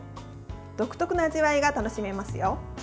独特な味わいが楽しめますよ。